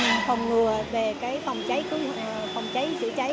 phòng cháy chữa cháy phòng cháy chữa cháy phòng cháy chữa cháy